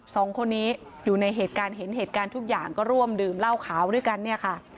สองคนนี้อยู่ในเหตุการณ์เห็นเหตุการณ์ทุกอย่างก็ร่วมดื่มเหล้าขาวด้วยกันเนี่ยค่ะ